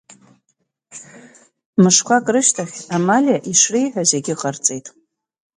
Мышқәак рышьҭахь, Амалиа ишреиҳәаз иагьыҟарҵеит.